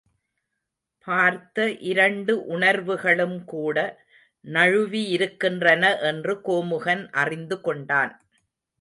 பார்த்த இரண்டு உணர்வுகளும் கூட நழுவியிருக்கின்றன என்று கோமுகன் அறிந்து கொண்டான்.